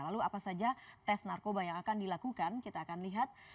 lalu apa saja tes narkoba yang akan dilakukan kita akan lihat